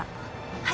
はい。